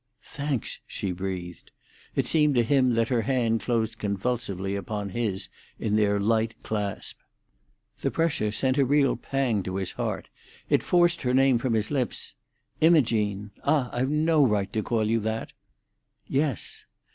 "Thanks," she breathed. It seemed to him that her hand closed convulsively upon his in their light clasp. The pressure sent a real pang to his heart. It forced her name from his lips. "Imogene! Ah, I've no right to call you that." "Yes."